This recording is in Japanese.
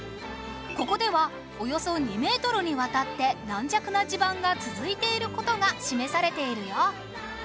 ここではおよそ２メートルにわたって軟弱な地盤が続いている事が示されているよ